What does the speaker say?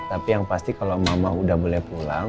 tapi yang pasti kalau mama udah boleh pulang